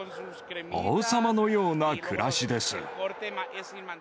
王様のような暮らしです。